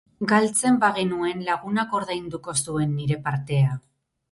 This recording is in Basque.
Galtzen bagenuen, lagunak ordainduko zuen nire partea.